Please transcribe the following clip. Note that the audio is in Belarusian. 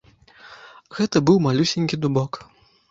Гэта быў малюсенькі дубок.